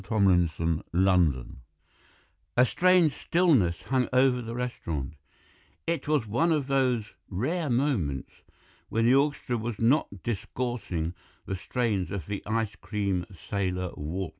THE CHAPLET A strange stillness hung over the restaurant; it was one of those rare moments when the orchestra was not discoursing the strains of the Ice cream Sailor waltz.